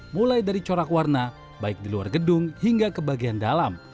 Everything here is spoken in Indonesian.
mulai dari corak warna baik di luar gedung hingga ke bagian dalam